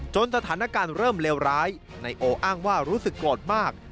สถานการณ์เริ่มเลวร้ายนายโออ้างว่ารู้สึกโกรธมาก